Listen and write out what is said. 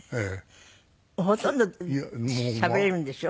ほとんどしゃべれるんでしょ？